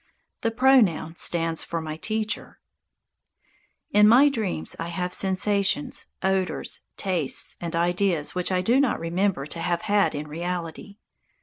The pronoun stands for my Teacher. In my dreams I have sensations, odours, tastes and ideas which I do not remember to have had in reality.